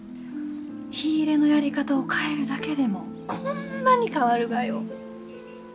火入れのやり方を変えるだけでもこんなに変わるがよ。